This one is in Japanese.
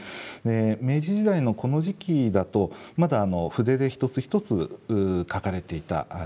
明治時代のこの時期だとまだ筆で一つ一つ書かれていた時代でした。